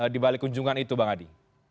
di balik kunjungan itu bang adi